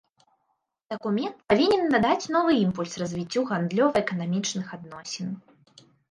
Дакумент павінен надаць новы імпульс развіццю гандлёва-эканамічных адносін.